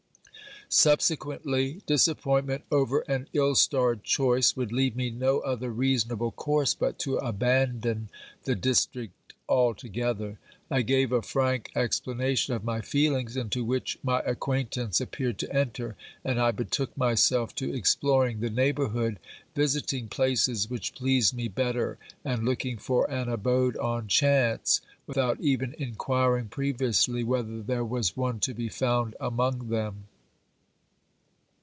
Subsequently, disappointment over an ill starred choice would leave me no other reasonable course but to abandon the district altogether. I gave a frank explanation of my feelings, into which my acquaintance appeared to enter, and I betook myself to exploring the neighbourhood, visiting places which pleased me better, and looking for an abode on chance, without even in quiring previously whether there was one to be found among them.